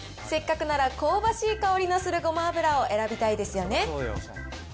せっかくなら香ばしい香りのするごま油を選びたいですよね。